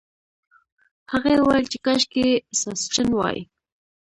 هغې وویل چې کاشکې ساسچن وای.